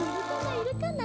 いるかな？